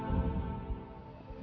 lalu mama menikah